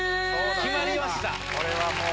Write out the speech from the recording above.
決まりました。